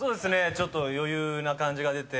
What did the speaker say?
ちょっと余裕な感じが出て。